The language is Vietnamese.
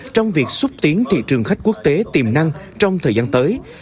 trong việc xúc tiến thị trường khách quốc tế tiềm năng trong thời gian tới